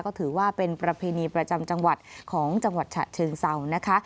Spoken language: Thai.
ก็ถือว่าเป็นประเพณีประจำจังหวัดของจังหวัดฉะเชิงเศร้านะคะ